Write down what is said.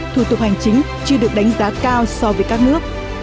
thủ tục hành chính chưa được đánh giá cao so với các nước